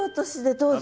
どうぞ。